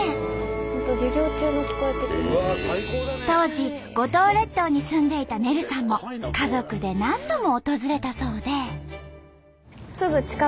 当時五島列島に住んでいたねるさんも家族で何度も訪れたそうで。